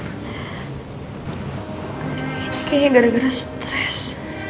aduh ini kayaknya gara gara stres